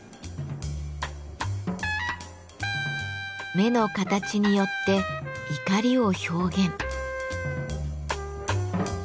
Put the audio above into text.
目の形によって怒りを表現。